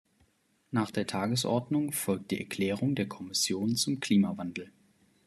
Nach der Tagesordnung folgt die Erklärung der Kommission zum Klimawandel.